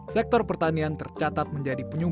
sektor pertanian tercatat menjadi penyumbang